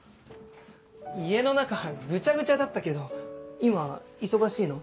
家の中ぐちゃぐちゃだったけど今忙しいの？